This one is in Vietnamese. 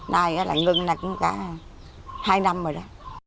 nay là ngưng là cũng cả hai năm rồi đó